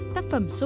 tác phẩm số hai